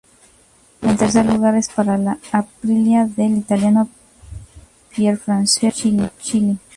El tercer lugar es para la Aprilia del italiano Pierfrancesco Chili.